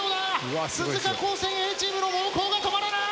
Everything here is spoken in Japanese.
鈴鹿高専Ａチームの猛攻が止まらない！